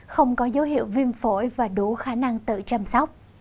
không có dấu hiệu viêm phổi và đủ khả năng tự chăm sóc